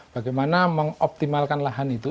bagaimana mengoptimalkan lahan itu